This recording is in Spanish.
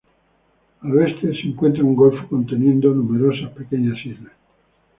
Al oeste se encuentra un golfo conteniendo numerosas pequeñas islas.